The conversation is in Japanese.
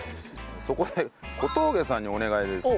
そこで小峠さんにお願いです。